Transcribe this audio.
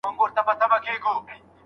استاد د شاګردانو وړتیاوې په پام کي نیسي.